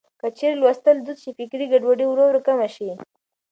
که چېرې لوستل دود شي، فکري ګډوډي ورو ورو کمه شي.